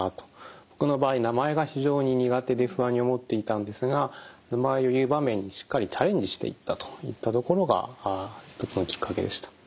僕の場合名前が非常に苦手で不安に思っていたんですが名前を言う場面にしっかりチャレンジしていったといったところが１つのきっかけでした。